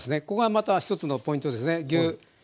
ここがまた１つのポイントですね。